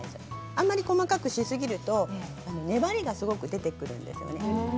あまり細かくしすぎると粘りがすごく出てくるんです。